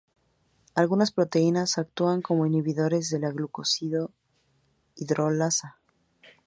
Algunas proteínas actúan como inhibidores de la glucósido hidrolasa.